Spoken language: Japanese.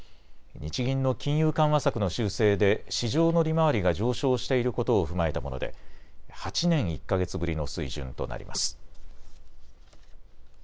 日銀の金融緩和策の修正で市場の利回りが上昇していることを踏まえたもので８年１か月ぶりの水準となります。